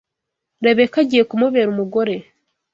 Rebeka agiye kumubera umugore.